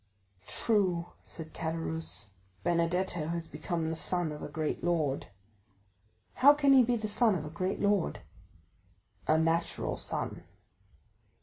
"True," said Caderousse; "Benedetto has become the son of a great lord." "How can he be the son of a great lord?" "A natural son."